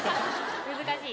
難しい。